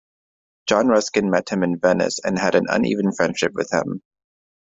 John Ruskin met him in Venice and had an uneven friendship with him.